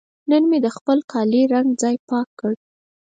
نن مې د خپل کالي رنګه ځای پاک کړ.